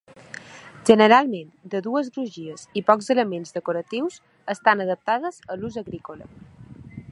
Generalment de dues crugies i pocs elements decoratius, estan adaptades a l'ús agrícola.